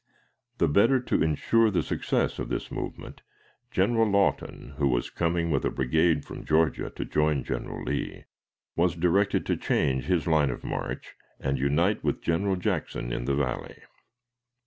The better to insure the success of this movement, General Lawton, who was coming with a brigade from Georgia to join General Lee, was directed to change his line of march and unite with General Jackson in the Valley.